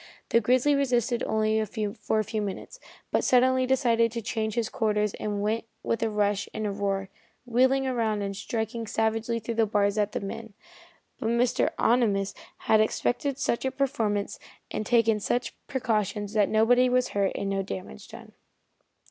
The grizzly resisted for a few minutes, but suddenly decided to change his quarters and went with a rush and a roar, wheeling about and striking savagely through the bars at the men. But Mr. Ohnimus had expected just such a performance and taken such precautions that nobody was hurt and no damage done.